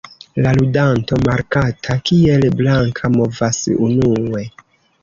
La ludanto markata kiel "blanka" movas unue.